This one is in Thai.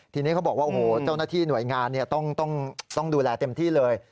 ทีนี้เขาบอกว่าโอ้โหเจ้าหน้าที่หน่วยงานต้องดูแลเต็มที่เลย